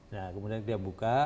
nah kemudian dia buka